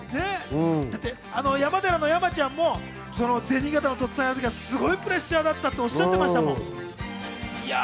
山寺の山ちゃんも銭形のとっつぁんをやる時はすごいプレッシャーだったっておっしゃってました。